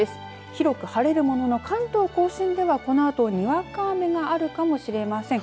広く晴れるものの、関東甲信ではこのあとにわか雨があるかもしれません。